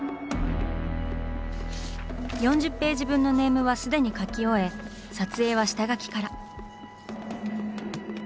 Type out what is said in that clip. ４０ページ分のネームは既に描き終え撮影は下描きから。